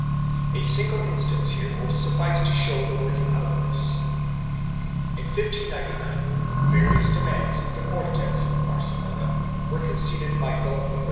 A single instance here will suffice to show the working of this. In 1599 various demands of the Cortes of Barcelona were conceded by Philip III.